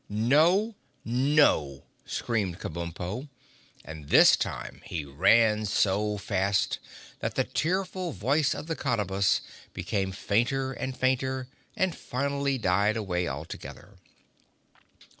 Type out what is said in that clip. "No! No!" screamed Kabumpo, and this time he ran so fast that the tearful voice of the Cottabus became fainter and fainter and finally died away altogether.